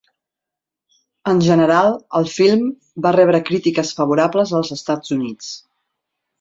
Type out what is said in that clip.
En general el film va rebre crítiques favorables als Estats Units.